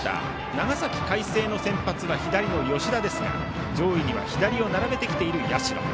長崎・海星の先発は左の吉田ですが上位には左を並べてきている社。